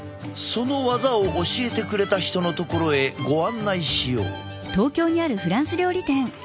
その技を教えてくれた人のところへご案内しよう。